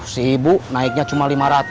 sibuk naiknya cuma lima ratus